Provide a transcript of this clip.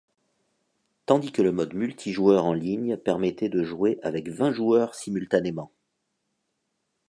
Tandis que le mode multijoueur en ligne permettait de jouer avec vingt joueurs simultanément.